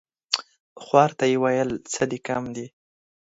خوار ته يې ويل څه دي کم دي ؟